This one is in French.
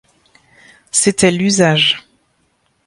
C'était l'usage.